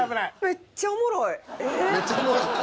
「めっちゃおもろい」。